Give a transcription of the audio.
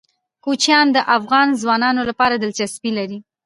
کوچیان د افغان ځوانانو لپاره دلچسپي لري.